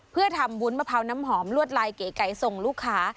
เพื่อทำวุ้นมะพร้าวน้ำหอมลวดลายเก๋ไก่ส่งลูกค้า